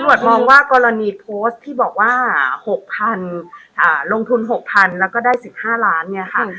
มองว่ากรณีโพสต์ที่บอกว่า๖๐๐๐ลงทุน๖๐๐๐แล้วก็ได้๑๕ล้านเนี่ยค่ะ